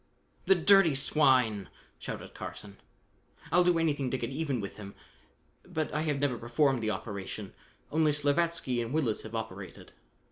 "The dirty swine!" shouted Carson. "I'll do anything to get even with him, but I have never performed the operation. Only Slavatsky and Willis have operated."